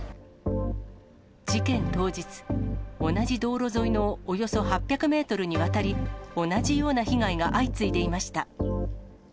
事件当日、同じ道路沿いのおよそ８００メートルにわたり、同じような被害が相次いでいました。